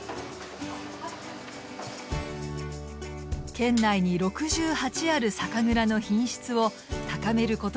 県内に６８ある酒蔵の品質を高めることが仕事です。